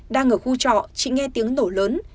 đang ở khu trọ chị nghe tiếng nổ lớn